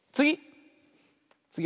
つぎ！